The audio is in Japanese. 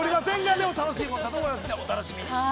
でも、楽しいもんだと思いますんで、お楽しみに。